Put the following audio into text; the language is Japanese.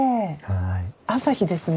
朝日ですね。